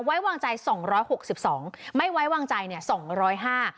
ไว้วางใจสองร้อยหกสิบสองไม่ไว้วางใจเนี่ยสองร้อยห้า